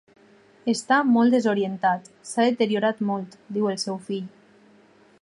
Està molt desorientat, s’ha deteriorat molt, diu el seu fill.